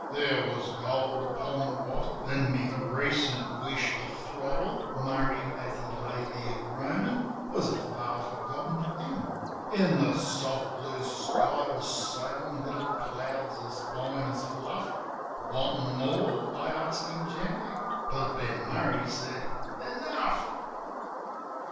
There was gold upon the wattle, an' my recent wish to throttle Murray, as he lay there groanin', zuas a far forgotten thing. In the soft blue sky were sailin' little clouds as fine as fluff. "Wantin' more?" I asked him gently; but Ben Murray said, "Enough."